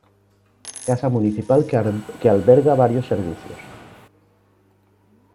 Casa municipal que alberga varios servicios.